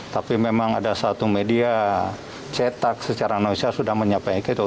tapi memang ada satu media cetak secara manusia sudah menyampaikan itu